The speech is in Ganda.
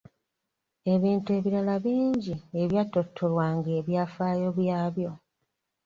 Ebintu ebirala bingi ebyatottolwanga ebyafaayo byabyo.